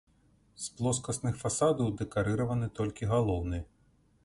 З плоскасных фасадаў дэкарыраваны толькі галоўны.